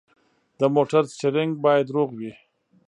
د موټر سټیرینګ باید روغ وي.